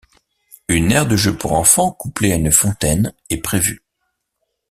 Une aire de jeux pour enfants couplée à une fontaine est prévue.